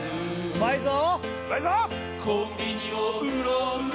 うまいぞ！